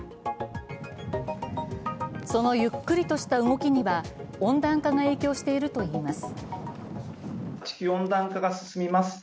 そのゆっくりした動きには温暖化が影響しているといいます。